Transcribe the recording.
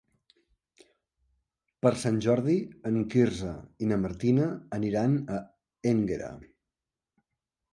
Per Sant Jordi en Quirze i na Martina aniran a Énguera.